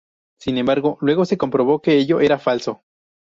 Sin embargo, luego se comprobó que ello era falso.